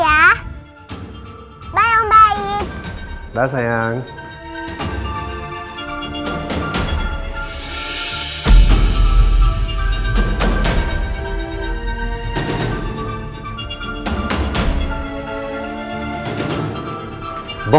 kamu bilang kamu mau kecantikan skincare nyatanya apa